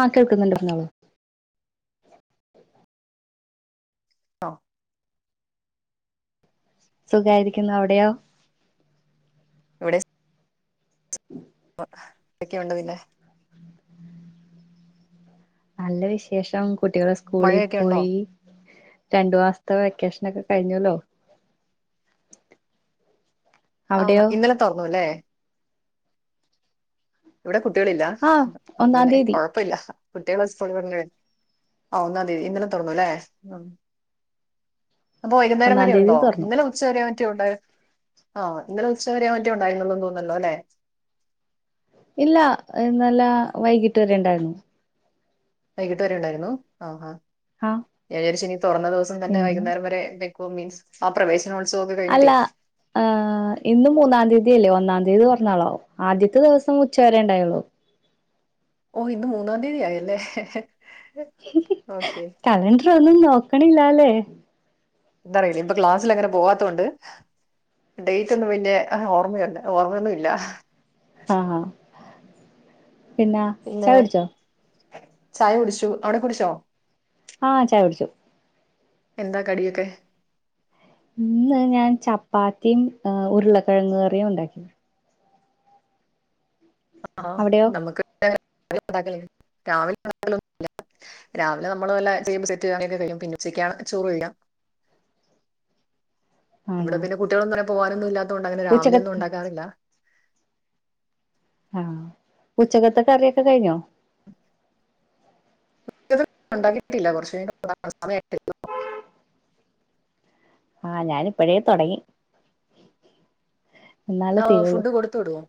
ആഹ് കേൾക്കുന്നുണ്ട് പറഞ്ഞോളൂ ട്ടൊ സുഖായിരിക്കുന്നു അവിടെയോ ഇവിടെ സ് പ്പൊ, എതൊക്കെയുണ്ട് പിന്നെ നല്ല വിശേഷം കുട്ടികള് സ്കൂളിൽ മഴയൊക്കെ ഉണ്ടോ പോയി രണ്ടു മാസ്ത്തെ വെക്കേഷനൊക്കെ കഴിഞ്ഞൂല്ലോ ആഹ് ഇന്നലെ തുറന്നുല്ലേ ഇവിടെ കുട്ടികളില്ല ആഹ് അപ്പ ഒന്നാം പിന്നെ തീയതി കൊഴപ്പല്ല. കുട്ടികളെ സ്കൂളിൽ പറഞ്ഞേ ആ ഒന്നാം തിയ്യതി ഇന്നലെ തോറന്നുല്ലേ അപ്പൊ വകുന്നേരം ഒന്നാം വരെ തീയതി ഉണ്ടോ തുറന്നു ഇന്നലെ ഉച്ച വരെ റ്റയുണ്ട്. ആഹ് ഇന്നലെ ഉച്ചവരെ മറ്റേ ഉണ്ടായിരുന്നു തോന്നുന്നല്ലോ ല്ലെ ഇല്ലാ ഇന്നലാ വൈകിട്ട് വരെണ്ടായിരുന്നു വൈകിട്ട് വരെ ഉണ്ടായിരുന്നു. ആഹ് ഹാ ആഹ് ഞാവിചാരിച്ചിനി തുറന്ന ദിവസം തന്നെ ഇന്നും വൈകുന്നേരം വരെ പേ മീസ് ആ പ്രവേശ് അല്ല ഹ്... ഇന്ന് മൂന്നാം തീയതിയല്ലേ ഒന്നാം തി ഏത് പറഞ്ഞാളാവേ ആദ്യത്തെ ദിവസം ഉച്ചവരെ ഉണ്ടായുള്ളൂ ഓ ഇന്ന് മൂന്നാം തിയ്യതി ആയല്ലേ ഹെ ഹെ ഹ് ഹ് ഹ് കലണ്ടർ ഒന്നും നോക്കണില്ല ല്ലേ എന്താറിയില്ല ഇപ്പ ക്ലാസിലങ്ങനെ പോവാത്തോണ്ട് ഡേറ്റ് ഒന്നും പിന്നെ. ഓർമ്മയുണ്ട് ഓർമ്മയൊന്നും ഇല്ല ആഹ ആഹാ പിന്നാ പിന്നെ ചായെടിച്ചോ ചായ കുടിച്ചു അവിടെ കുടിച്ചോ ആഹ ചായെടിച്ചു എന്താ കടിയൊക്കെ ഇന്ന് ഞാൻ ചപ്പാത്തിയും ഉരുളക്കിഴങ്ങ് കറിയും ഉണ്ടാക്കി അവിടെയോ [unintelligible] രാവിലെ നമ്മള് വല്ല ചേമ്പ് സെറ്റ് ഒക്കെ കഴിക്കും പിന്നെ ഉച്ചക്കാണ് ചോറ് കഴിക്ക. ഇവിടെ ആണോ പിന്നെ കുട്ടികളൊന്നും അങ്ങനെ പോകാനൊന്നും ഇല്ലാത്തൊണ്ട് അങ്ങനെ രാവിലെ ഒന്നും ഉച്ചകത്ത് ഉണ്ടാക്കാറില്ല. ആ ഉച്ചക്കത്ത കറിയൊക്കെ കഴിഞ്ഞോ ഇത് ഉണ്ടാക്കിയിട്ടില്ല കൊറച്ച് [unintelligible] ആ ഞാനിപ്പോഴേ തൊടങ്ങി ആ ഫുഡ് കൊടുത്ത് വിടുവോ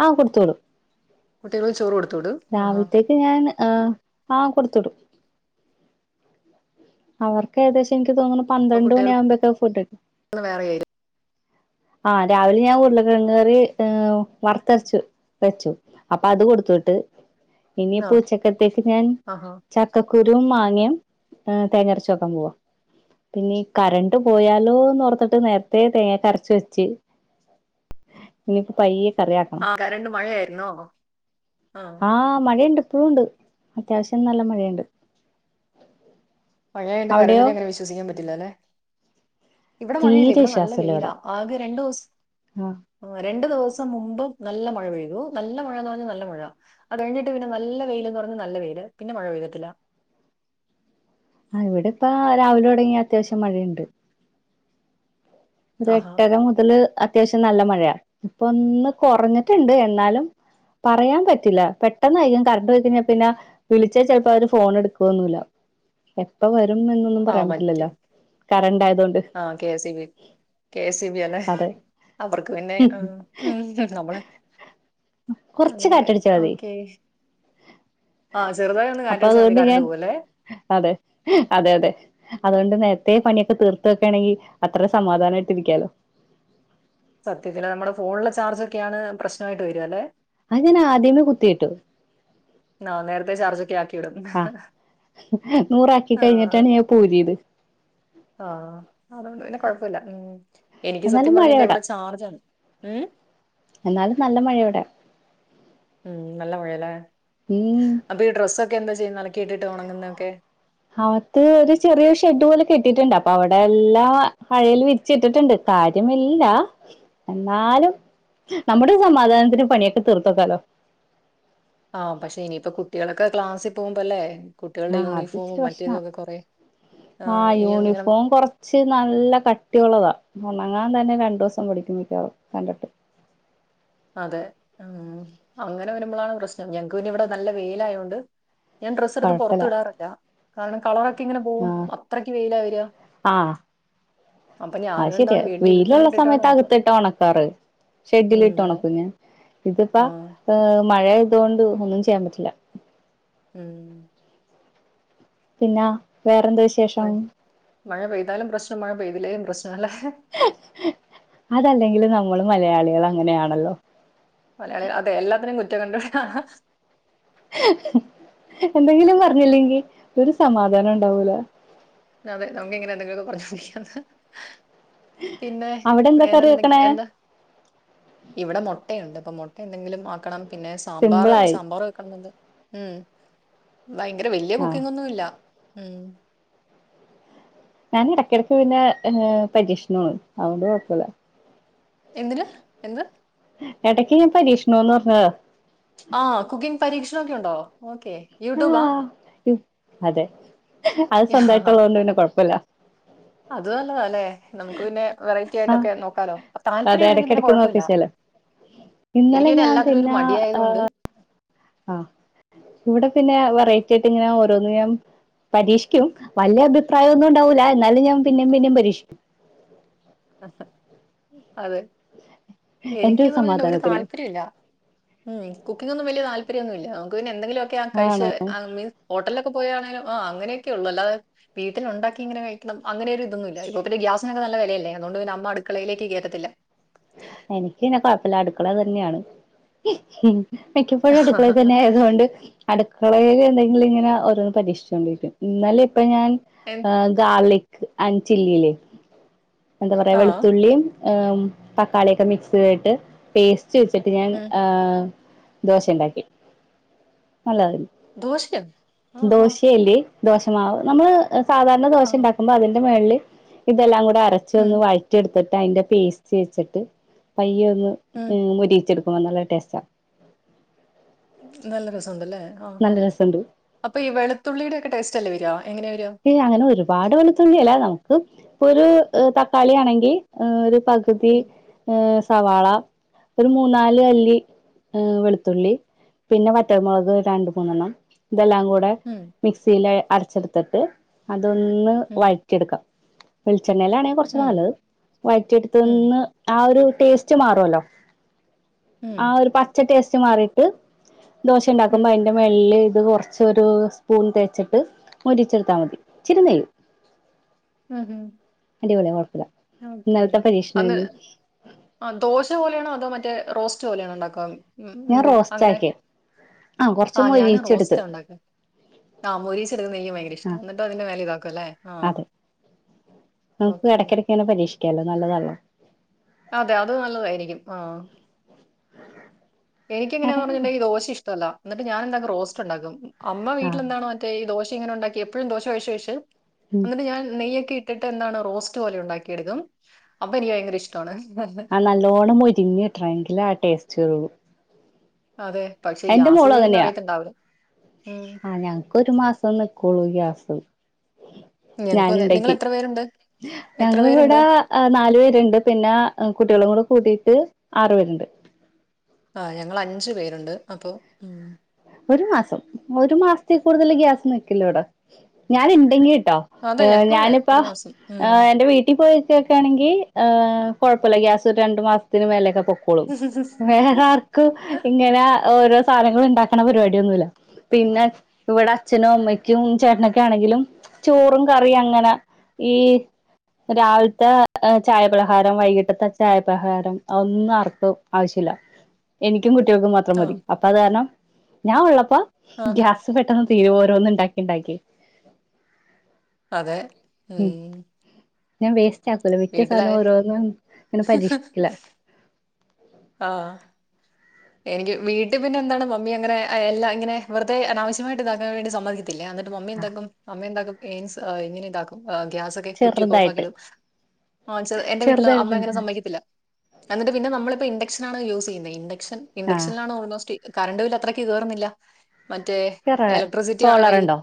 ആ ആ കൊടുത്തുവിടും കുട്ടികൾക്ക് ചോറ് കൊടുക രാവിലെത്തേക്ക് ഞാൻ ആ ആ കൊടുത്തുവിടും അവർക്ക് ഏകദേശം എനിക്ക് തോന്നുന്നു അപ്പൊ പന്ത്രണ്ട് മണിയ കുട്ടികൾക്ക് ആകുമ്പോക്കെ ഫുഡ് എടുക്കും വേറെ ആയിരിക്കും ആ രാവിലെ ഞാൻ ഉരുളക്കിഴങ് കറി വറുത്തരച്ചു വെച്ചു. അപ്പൊ അത് കൊടുത്തു. ആഹ് ഇനിയിപ്പ ഉച്ചക്കത്തേക് ഞാൻ ആഹാ ചക്കക്കുരു രും മാങ്ങയും തേങ്ങ അരച്ചുവെക്കാൻ. പോവാ പിന്നെ ഈ കറണ്ട് പോയാലോ ഓർത്തിട്ട് നേരത്തെ തേങ്ങക്കെ അരച്ച് വെച്ച് ഇനി പയ്യ കറിയാക്കണം ആഹ് കരണ്ട് മഴയായിരുന്നോ ആഹ് ആ മഴെണ്ട് ഇപ്പോഴും ഉണ്ട് അത്യാവശ്യം നല്ല മഴയുണ്ട് മഴയായതുകൊണ്ട് അങ്ങനെ അവിടെയോ കറണ്ടിനെ അങ്ങനെ വിശ്വസിക്കാൻ പറ്റില്ലല്ലേ. ഇവിടെ മഴയില്ല തീരെ ഇവിടെ നല്ല വിശ്വാസല്ല ഇവിടെ വെയിലാ ആകെ രണ്ടു ദിവസം ആഹ് രണ്ട് ദിവസം മുമ്പും നല്ല മഴ പെയ്തു. നല്ല മഴയന്ന് പറഞ്ഞൽ നല്ല മഴ അതു കഴിഞ്ഞിട്ട് പിന്നെ നല്ല വെയില് എന്ന് പറഞ്ഞാ നല്ല നല്ല വെയില് പിന്നെ മഴ പെയ്തിട്ടില്ല. ഇവിടെ ഇപ്പ രാവിലെ തൊടങ്ങി അത്യാവശ്യം മഴയുണ്ട് ഒരു ആഹാ എട്ടര മുതല് അത്യാവശ്യം നല്ല മഴയാ ഇപ്പ ഒന്ന് കുറഞ്ഞ്ട്ട്ണ്ട് എന്നാലും പറയാൻ പറ്റില്ല പെട്ടെന്നായിരിക്കും കറണ്ട് പോയ്ക്കഴിഞ്ഞാൽ പിന്നെ വിളിച്ചാ ചെലപ്പോ അവര് ഫോൺ എടുക്കുന്നൊല്ല എപ്പ വരും എന്നൊന്നും ആഹ് പറയാൻ മറ്റേ പറ്റില്ലല്ലോ കറണ്ട് ആയതൊണ്ട് ആഹ് K S E B K S C E B അല്ലെ അവർക്ക് പിന്നെ നമ്മള് കുറച്ച് അങ്ങനെ കാറ്റടിച്ചാ മതി ഓക്കെ. ആ ചെറു അപ്പൊ അതുകൊണ്ട് ഞാൻ അതെ അതെ അതെ അതുകൊണ്ട് നേരത്തെ പണി തീർത്ത് വെക്കാണെങ്കി അത്ര സമാധാനമായിട്ടിരിക്കാലോ. സത്യത്തില് നമ്മുടെ ഫോണിലെ ചാർജൊക്കെയാണ് പ്രശ്നായിട്ട് വര്യ അല്ലെ. അത് ഞാൻ ആദ്യമേ കുത്തീട്ടു. [unintelligible] നേരെത്തെ ചാർജൊക്കെ ആക്കി. ആ നൂറാക്കി കഴിഞ്ഞിട്ടാണ് ഞാ ഇപ്പ ഊരിയത്. ആ അതോണ്ട് പിന്നെ കൊഴ പ്പൊല്ല്യ. ഉം എനിക്ക് എന്നാലും സത്യം പറഞ്ഞിണ്ടെ മഴയോടാ ഇവിടെ ചാർജാണ്. ഏ എന്നാലും നല്ല മഴയാ ഇവടെ. ഉം നല്ല മഴാല്ലേ അപ്പൊ ഈ ഡ്രസ്സൊക്കെ എന്താ ചെയ്യുന്നെ അലക്കിയിട്ടിട്ട് ഉണങ്ങുന്നതൊക്കെ. അഅത്ത് ഒരു ചെറിയ ഷെഡ് പോലെ കെട്ടിയിട്ടുണ്ട്. അപ്പൊ അവിടെ എല്ലാ അഴയിൽ വിരിച്ചിട്ടിട്ടുണ്ട്. കാര്യമില്ല എന്നാലും. നമ്മുടെ സമാധാനത്തിന് പണിയൊക്കെ തീർത്ത് വക്കാലോ. ആ പക്ഷെ ഇനിയിപ്പ കുട്ടികളൊക്കെ ക്ലാസ്സി പോകുമ്പോല്ലേ. കുട്ടികളുടെ യൂണിഫോമും മറ്റേതൊക്കെ കൊറെ. ആ ആഹ് ഇനി ഇങ്ങനെ യൂണിഫോം കൊറച്ച് നല്ല കട്ടിയുള്ളതാ. ഉണങ്ങാൻ തന്നെ രണ്ടൂസം പിടിക്കും മിക്കവാറും കണ്ടിട്ട് അതെ ഉം അങ്ങനെ വരുമ്പളാണ് പ്രശ്നം ഞങ്ങക്ക് പിന്നെ ഇവിടെ നല്ല വെയിലായോണ്ട്. ഞാൻ ഡ്രസ്സ് എടുത്ത് കൊഴപ്പല്ല പൊറത്ത് ഇടാറില്ല. കാരണം കളറൊക്കെ ഇങ്ങനെ പോവും ആഹ് അത്രക്ക് വെയിലാ വര്യ ആഹ് അത് ശരിയ വെയിലുള്ള ഇട്ടിട്ടാണ് സമയത്ത് ഉണക്കുക അകത്തിട്ട് ഒണക്കാറ് ഷെഡിലിട്ട് ഉം അതെ ഒണക്കും പിന്നെ ഇതിപ്പ ആഹ് മഴയായതോണ്ട് ഒന്നും ചെയ്യാൻ പറ്റില്ല ഉം പിന്നാ വേറെന്ത്‌ വിശേഷം മഴ മഴ പെയ്താലും പ്രശ്നം മഴ പെയ്തില്ലേലും പ്രശ് ഹെ ഹെ ഹെ അതല്ലെങ്കിലും നമ്മള് മലയാളികള് അങ്ങനെയാണല്ലോ മലയാളികൾ അതെ എല്ലാത്തിനും കുറ്റം കണ്ടു ഹ് ഹ എന്തെങ്കിലും പറഞ്ഞില്ലെങ്കി ഒരു സമാധാനം ഉം ഉം ഉണ്ടാവൂല അതെ നമ്ക്ക് ഇങ്ങനെ എന്തെങ്കിലൊക്കെ പറഞ്ഞോണ്ട് ഇരിക്കാം പിന്നെ അവിടെ എന്താ കറി വേറെന്തക്ക് വെക്കണേ എന്താ ഇവിടെ മൊട്ടയുണ്ട് അപ്പൊ മുട്ട എന്തെങ്കിലും ആക്കണം പിന്നെ സാമ്പാറ് സിമ്പിളായി സാമ്പാറ് വെക്കണംന്ന്‌ണ്ട് ഉം ഭയങ്കര വല്യ ആഹ് കുക്കിംഗ് ഒന്നുല്ല ഉം ഞാൻ ഇടക്കിടക്ക് പിന്നെ ങേ പരീക്ഷണാണ് അതു കൊഴപ്പല്ല എന്തിന് എന്ത് എടക്ക് ഞാൻ പരീക്ഷണോന്ന് പറഞ്ഞത് ആ കുക്കിംഗ് പരീക്ഷ്ണൊക്കെയുണ്ടോ ആ ഉം അതെ അത് യാ, സ്വന്തമായിട്ടുള്ളോണ്ട് പിന്നെ കൊഴപ്പൂല്ല അത് നല്ലതാല്ലെ നമുക്ക് പിന്നെ വെറൈറ്റി ആഹ് ആയിട്ടൊക്കെ നോക്കാലോ അതെ താല്പര്യം ഉണ്ടെങ്കിൽ പിന്നെ ഇടക്കിടക്ക് കൊഴപ്പുല്ല [inaudible] നോക്കിച്ചേല് ഇന്നലെ ഞാൻ പിന്നെ ആ ഹ് ആഹ് ഇവിടെ പിന്നെ വെറൈറ്റി ആയിട്ടിങ്ങനെ ഓരോന്ന് ഞ്ഞാം പരീക്ഷിക്കും വല്ല്യ അഭിപ്രായം ഒന്നും ഉണ്ടാവൂല എന്നാലും ഞാൻ പിന്നെ പിന്നെ പരീക്ഷിക്കും അതെ അതെ എന്റെ എനിക്കീന്ന് പറഞ്ഞ്ണ്ടെ ഒരു സമാധാനത്തിന് താല്പര്യം ഇല്ല ഉം കുക്കിംഗ് ഒന്നും വലിയ താല്പ [unintelligible] ഒന്നുല്ല്യ നമ്മക്ക് പിന്നെന്തെങ്കിലൊക്കെ ആ കഴിച്ച് ആണോ ആ മീൻസ് ഹോട്ടൽലൊക്കെ പോയ- ആ അങ്ങനെയൊക്കെയുള്ളു അല്ലാതെ വീട്ടില് ഉണ്ടാക്കി ഇങ്ങനെ കഴിക്കണം അങ്ങനെ ഒരു ഇതൊന്നും ഇല്ല ഇപ്പ പിന്നെ ഗ്യാസിനൊക്ക നല്ല വെലയല്ലെ അതോണ്ട് പിന്നെ അമ്മ അടുക്കളയിലേക്ക് കേറ്റത്തില്ല എനിക്ക് പിന്നെ കൊഴപ്പല്ല അടുക്കള അത് തന്നെയാണ് മിക്കപ്പോഴും അടുക്കളെ തന്നെ ആയതുകൊണ്ട് അടുക്കളേല് എന്തെങ്കിലും ഇങ്ങനെ ഓരോന്ന് പരീക്ഷിച്ചോണ്ടിരിക്കും ഇന്നലെ ഇപ്പൊ ഞാൻ എൻ- ഗാർലിക് ആൻറ്റ്ചില്ലിയില്ലേ എന്താ പറയാ ആ വെളുത്തുള്ളിയും [unintelligible] തക്കാളിയൊക്കെ മിക്സ്‌ ചെയ്തിട്ട് പേസ്റ്റ്- ചെയ്തു വെച്ചിട്ട് ഞാൻ ഉം ആഹ് ദോശ ഉണ്ടാക്കി [unintelligible] ദോശയോ ആഹാ ദോശയല്ലേ ദോശമാവ് നമ്മള് സാധാരണ ആ ദോശ ഉണ്ടാക്കുമ്പോ അതിന്റെ മേൽള്ള് ഇതെല്ലാം കൂടെ ഉം അരച്ചൊന്ന് വഴറ്റിെടുത്തിട്ട് അതിന്റെ പേസ്റ്റ്- തേച്ചിട്ട് പയ്യ ഒന്ന് ഉം മോരിയിച്ചെടുക്കുമ്പോ നല്ല ടേസ്റ്റാണ് നല്ല രസുണ്ടല്ലേ ആഹാ നല്ല രസമുണ്ട് അപ്പൊ ഈ വെളുത്തുള്ളിയുടെ ഒക്കെ ടേസ്റ്റ് അല്ലേ വരുവാ ഹേ അങ്ങനെ ഒരുപാട് വെളുത്തുള്ളി അല്ല നമുക്ക് ഇപ്പൊ ഒരു തക്കാളി ആണെങ്കിൽ ഒരു- പകുതി ഉം ആ സവാള ഒരു മൂന്നാല് അല്ലി ആഹ് വെളുത്തുള്ളി പിന്നെ വറ്റൽമുളക് രണ്ട് മൂന്നെണ്ണം ഇതെല്ലാം കൂടെ ഉം മിക്സിൽ അരച്ചെടുത്തിട്ട് അതൊന്ന് ഉം വഴറ്റിയെടുക്കാം വെളിച്ചെണ്ണല്ലാണെ കുറച്ചുടെ ഉം നല്ലത് ഉം വയറ്റിെടുത്ത്ന്ന് ആ ഒരു- ടേസ്റ്റ് മാറുവല്ലോ ഉം ആ ഒരു പച്ച ടേസ്റ്റ് മാറിട്ട്- ദോശ ഉം ഉണ്ടാക്കുമ്പോ അതിന്റെ മെള്ളില് ഇത് കുറച്ചൊരു സ്പൂൺ തേച്ചിട്ട്- മോരിയിച്ചെടുത്താൽ മതി ഇചിരിനെയ്യ് ഉം ഹം [unintelligible] ഓക്കേ ഇന്നലത്തെ അന്ന് പരീക്ഷണമായിരുന്നു ആ ദോശ പോലെയാണോ അതോ മറ്റേ റോസ്റ്റ് പോലെയാണ് ഉണ്ടാക്കാ. ഞാൻ റോസ്റ്റ് ആക്കിയ ആഹ കൊറച്ച മൊരിച്ചെടുത്ത്. ആഹ മൊരീച്ചെടുക്കുന്നത് എനിക്ക് ഭയങ്കര ഇഷ്ട എന്നിട്ട് അതിന്റെ മേലേ ഇതാക്കും അല്ലേ ആഹ് അതെ നമുക്ക് ഓക്കെ ഇടക്കിടക്കന്നെ പരീക്ഷിക്കാലോ നല്ലതല്ലോ അതെ അത് നല്ലതായിരിക്കും ആഹ എനിക്ക് എങ്ങെയാന്ന് പറഞ്ഞിട്ടുണ്ടങ്ക ഈ ദോശ ഇഷ്ടല്ല. എന്നിട്ട് ഞാന എന്താക്കും റോസ്റ്റ് ഉണ്ടാക്കും. അമ്മ ആഹ് വീട്ടിലെന്താണോ മറ്റേ ഈ ദോശ ഇങ്ങനെ ഉണ്ടാക്കി എപ്പോഴും ദോശ കഴിച്ചു കഴിച്ചു ഉം എന്നിട്ട് ഞാൻ നെയ്യൊക്കെ ഇട്ടിട്ട് എന്താണ് റോസ്റ്റ് പോലെ ഉണ്ടാക്കിയെടുക്കും അപ്പൊ എനിക്ക് ഭയങ്കര ഇഷ്ടമാണ്. ആ നല്ലോണ്ണം മൊരിങ്ങിട്ടെണം എങ്കിലേ ആ ടേസ്റ്റ്ള്ളൂ. അതെ പക്ഷെ മോളും ഈയാസുദീൻന്ന് അങ്ങനെയാ അറിയത്തിണ്ടാവുല. ആഹ് ഞങ്ങക്ക് ഒരു മാസം നിക്കുള്ളൂ ഗ്യാസ്. ഞങ്ങക്കും അതെ നിങ്ങൾ ഞാനുണ്ടാക്കി എത്ര പേരുണ്ട്. എത്ര പേരുണ്ട് ഞങ്ങളിവിടെ നാലു പേരുണ്ട് പിന്നെ കുട്ടികളും കൂടെ കൂട്ടീയിട്ട് ആറ് പേരുണ്ട്. ആ ഞങ്ങൾ അഞ്ചു പേരുണ്ട് അപ്പൊ ഉം ഒരു മാസം ഒരു മാസത്തിൽ കൂടുതൽ ഗ്യാസ് നിൽക്കില്ലോ ഇവിട ഞാൻ ഉണ്ടെങ്കി കേട്ടോ അതെ ഞങ്ങക്കും അതെ ഞാനിപ്പ ഒരു മാസം ഉം എന്റെ വീട്ടിൽ പോയിക്കക്കാണെങ്കിൽ എഹ്‌ കുഴപ്പല്ല ഗ്യാസ് രണ്ട് മാസത്തിന് മേലൊക്കെനിക്കും. പൊക്കോളും വേറെ ആർക്കും ഇങ്ങനെ ഓരോ സാധനങ്ങളും ഉണ്ടാക്കണ പരിപാടിയൊന്നുമല്ല. പിന്നെ ഇവിടെ അച്ഛനും അമ്മയ്ക്കും ചേട്ടനൊക്കെ ആണെങ്കിലും ചോറും കറിയും അങ്ങനെ ഈ രാവിലത്തെ ചായപലഹാരം വൈകിട്ടത്തെ ചായപ്രഹാരം ഒന്നും അർക്ക് ആവശ്യമില്ല. എനിക്കും കുട്ടികൾക്കും മാത്രം മതി ആഹ് അപ്പ അത് കാരണം ഞാൻ ഉള്ളപ്പോ ആഹ് ഗ്യാസ് പെട്ടെന്ന് തീര ഓരോന്ന് ഉണ്ടാക്കി ഉണ്ടാക്കി. അതെ ഉം ഞാൻ വേസ്റ്റ് ആക്കൂല മിക്ക വീട്ടിലായ സാധനവും ഓരോന്നും ഇങ്ങനെ പരീക്ഷിക്കില്ല. ആഹ് എനിക്ക് വീട്ടിൽ പിന്നെ എന്താണ് മമ്മി അങ്ങനെ എല്ലാ ഇങ്ങനെ വെറുത അനാവശ്യമായിട്ട് ഇതാക്കാൻ വേണ്ടി സമ്മതിക്കോ? ല്ല എന്നിട്ട് മമ്മി എന്താക്കും അമ്മയെന്താക്കുംയിൻ എങ്ങനെ ഇതാക്കും ആ ഗ്യാസ ഒക്കെ കുറ്റി ചെറുതായിട്ട് ഓഫക്കിട്ടുംആ എന്റെ വീട്ടില് അമ്മ അങ്ങനെ ചെറുതായിട്ടുണ്ട് സമ്മക്കത്തില്ല. എന്നിട്ട് പിന്നെ നമ്മളിപ്പോ ഇൻഡക്ഷൻ ആണോ യൂസ് ചെയ്യുന്നത് ഇൻഡക്ഷൻ ആഹ് ഇൻക്ഷനാണ് ഓൾമോസ്റ്റ്. കറണ്ട് ബില് അത്രക്ക് കയറുന്നില്ല മറ്റേ വേറെ എലക്ട്രിസിറ്റി സോളറുണ്ടോ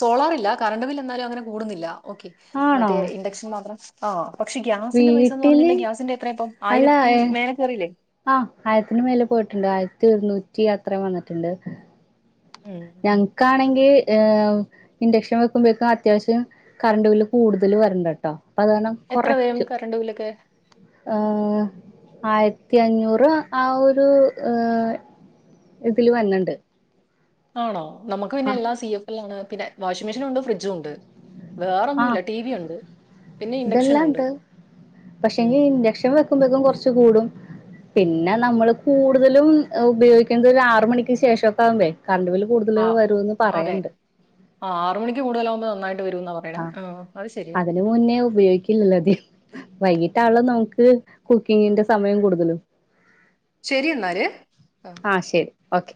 സോളാറില്ല കറണ്ട് ബിൽ എന്നാലും അങ്ങനെ കൂടുന്നില്ല ഓക്കേ ആണോ മറ്റേ ഇൻഡക്ഷൻ മാത്രം ആഹ പക്ഷെ ഗ്യാസിന്റെ പൈസ എന്ന് വീട്ടില് പറഞ്ഞിട്ടുണ്ടെ ഗ്യാസിന്റെ എത്ര ഇപ്പം അല്ല ആയിരത്തി മേലെക്കയറിയില്ലേ? ആഹ് ആയിരത്തിന് മേലെ പോയിട്ടുണ്ട് ആയിരത്തി ഒരുന്നൂറ്റി അത്ര വന്നിട്ടുണ്ട്. ഉം. ഞങ്ങക്കാണെങ്കിൽ ക്കാണങ്കി ഇൻഡക്ഷൻ വെക്കുമ്പോഴേക്കും അത്യാവശ്യം കറണ്ട് ബില് കൂടുതൽ വരണ്ടട്ടോ പ്പത്കരണം എത്ര വരും കുറച്ചു കറണ്ട് ബില്ലൊക്കെ ആയിരത്തി അഞ്ഞൂറ് ആ ഒരു ഇതില് വന്നിണ്ട് ആണോ നമുക്ക് പിന്നെ എല്ലാ സി എഫ എല്ല ആണ് പിന്നെ വാഷിംഗ മെഷീൻ ഉണ്ട് ഫ്രിഡ്ജും ഉണ്ട്. വേറെന്നുമല്ല ആഹ് ടി വി ഉണ്ട് പിന്നെ ഇൻഡക്ഷനും ഉണ്ട്. ഇതെല്ലാണ്ട് പക്ഷെങ്കി ഉം. ഇൻഡക്ഷൻ വെക്കുമ്പക്കും കുറച്ച് കൂടും പിന്നെ നമ്മള് കൂടുതലും ഉപയോഗിക്കുന്നത് ഒരു ആറ്മണിക്ക് ശേഷംക്കെ ആകുമ്പേഴേ കറണ്ട് ബില് കൂടുതല് വരൂന്ന് പറയണ്ട് ആറുമണി കൂടുതാലക്മ്പോനായിട്ട്. ആ അതിന് മുന്നേ ഉപയോഗിക്കില്ലല്ലോ അതിം വൈകിട്ട് മറ്റള നമുക്ക് കുക്കിങ്ങിന്റെ സമയം കൂടുതലും ശരി എന്നാല് ആ ആഹ് ശരി ഓക്കെ